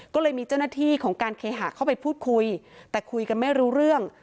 ก็เลยมีเจ้าหน้าที่ของการเคหะเข้าไปพูดคุยแต่คุยกันไม่รู้เรื่อง